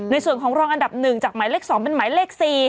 ในส่วนของรองอันดับ๑จากหมายเลข๒เป็นหมายเลข๔